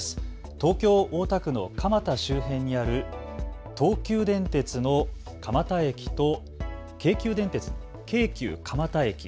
東京大田区の蒲田周辺にある東急電鉄の蒲田駅と京急電鉄、京急蒲田駅。